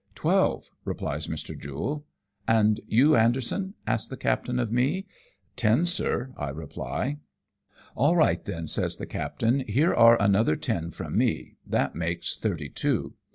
Twelve," replies Mr. Jule. " And you, Anderson ?" asks the captain of me. "Ten, sir," I reply. " All right, then," says the captain, " here are another ten from me, that makes thirty two.